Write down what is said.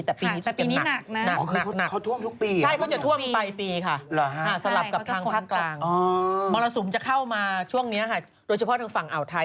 ใช่เค้าจะท่วมไปปีค่ะสาหรับกับทางภาพกลางมฤสูมจะเข้ามาช่วงนี้โดยเฉพาะทางฝั่งอาวุทไทย